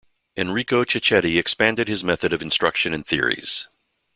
Enrico Cecchetti expanded his method of instruction and theories.